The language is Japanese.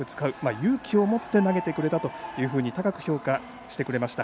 勇気を持って投げてくれたと高く評価してくれました。